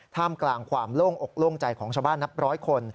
ท่ามกลางความโล่งอกโล่งใจของชาวบ้านนับร้อยคน